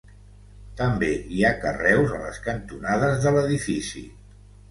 També hi ha carreus a les cantonades de l'edifici.